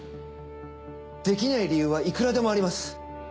できない理由はいくらでもあります。